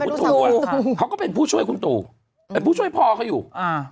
คุณตู่อ่ะเขาก็เป็นผู้ช่วยคุณตู่เป็นผู้ช่วยพอเขาอยู่อ่า